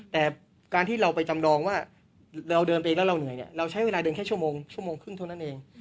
แต่การที่เราไปจำนองว่าเราเดินไปแล้วเราเหนื่อยเนี่ยเราใช้เวลาเดินแค่ชั่วโมงครึ่งเท่านั้นเอง